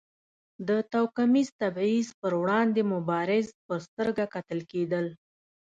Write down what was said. د توکمیز تبیض پر وړاندې مبارز په سترګه کتل کېدل.